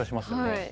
はい。